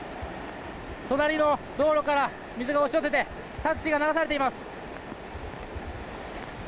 隣の道路から水が押し寄せてタクシーが流されています。